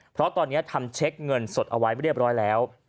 เพราะตอนนี้ทำเช็คเงินสดเอาไว้เรียบร้อยแล้ว